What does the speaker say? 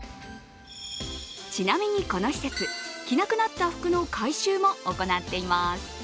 ちなみに、この施設着なくなった服の回収も行っています。